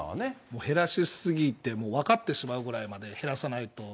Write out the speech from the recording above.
もう減らし過ぎて、もう分かってしまうぐらいまで減らさないと。